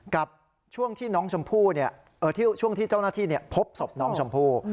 กับช่วงที่เจ้าหน้าที่พบศพน้องชมพู่